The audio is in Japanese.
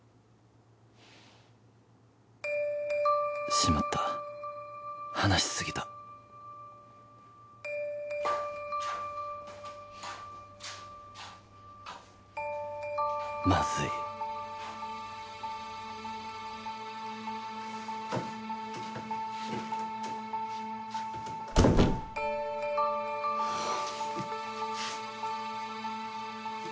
しまった話しすぎたマズいはぁ。